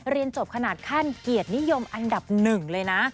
เรียนจบขนาดขั้นเกียรตินิยมอันดับหนึ่งเลยนะ